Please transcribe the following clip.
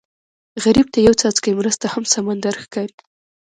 غریب ته یو څاڅکی مرسته هم سمندر ښکاري